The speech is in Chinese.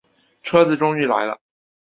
车子终于来了